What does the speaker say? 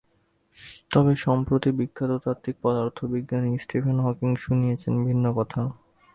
তবে সম্প্রতি বিখ্যাত তাত্ত্বিক পদার্থবিজ্ঞানী স্টিফেন হকিং শুনিয়েছেন ভিন্ন কথা।